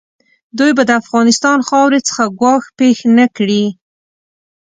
دوی به د افغانستان خاورې څخه ګواښ پېښ نه کړي.